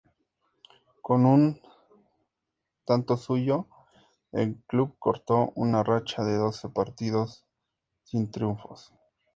Con un tanto suyo, el club cortó una racha de doce partidos sin triunfos.